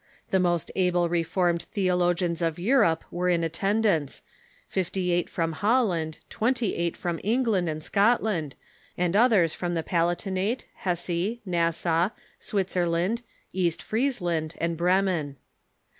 The most able Reformed theologians of Eu rope were in attendance — fifty eight from Holland, twenty eio ht from England and Scotland, and others from the Palati nate, Hesse, Nassau, Switzerland, East Friesland, and Bremen.